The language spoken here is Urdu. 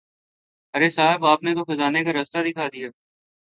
ارے صاحب آپ نے تو خزانے کا راستہ دکھا دیا۔